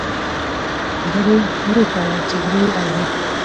خبرې ورو کوه چې زړه یې اوري